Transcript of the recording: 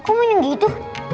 kok main yang gitu